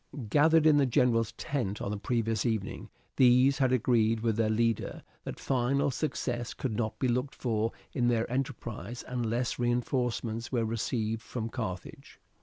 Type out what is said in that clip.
Gathered in the general's tent on the previous evening, these had agreed with their leader that final success could not be looked for in their enterprise unless reinforcements were received from Carthage.